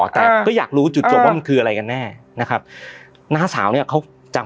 แต่ก็อยากรู้จุดจบว่ามันคืออะไรกันแน่นะครับน้าสาวเนี้ยเขาจับ